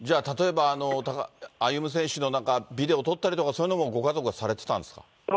例えば、歩夢選手のビデオ撮ったりとか、そういうのもご家族がされてたんですか？